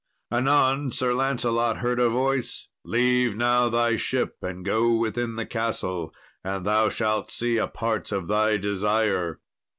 Anon Sir Lancelot heard a voice: "Leave now thy ship and go within the castle, and thou shalt see a part of thy desire."